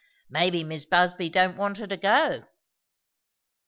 "Maybe Mis' Busby don't want her to go."